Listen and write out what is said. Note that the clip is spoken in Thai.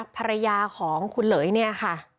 ภรรยาของคุณเหลยเนี่ยค่ะ